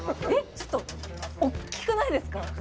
ちょっと大っきくないですか？